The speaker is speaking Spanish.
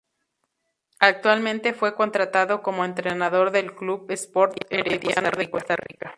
Actualmente fue contratado como entrenador del Club Sport Herediano de Costa Rica.